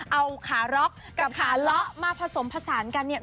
เอาขาร็อกกับขาเลาะมาผสมผสานกันเนี่ย